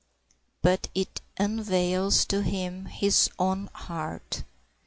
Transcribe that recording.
But it unveils to him his own heart.